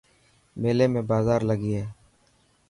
ميلي ۾ بازار لگي هي.